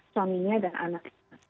suaminya dan anaknya